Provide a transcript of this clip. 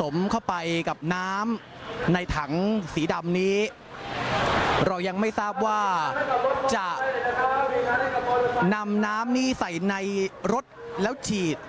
สมเข้าไปกับน้ำในถังสีดำนี้เรายังไม่ทราบว่าจะนำน้ำนี้ใส่ในรถแล้วฉีด